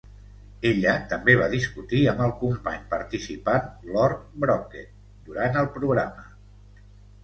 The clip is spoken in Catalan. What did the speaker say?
Ella també va discutir amb el company participant Lord Brocket durant el programa.